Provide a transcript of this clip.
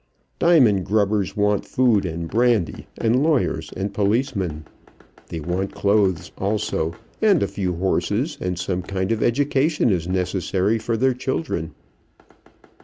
Diamond grubbers want food and brandy, and lawyers and policemen. They want clothes also, and a few horses; and some kind of education is necessary for their children.